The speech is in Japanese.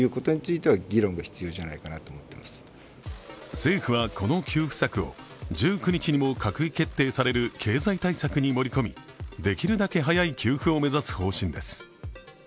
政府はこの給付策を１９日にも閣議決定される経済対策に盛り込み、できるだけ早い給付を目指す方針です。